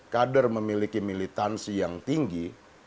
kader memiliki militansi yang tinggi